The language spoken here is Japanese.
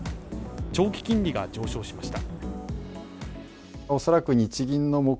長期金利が上昇しました。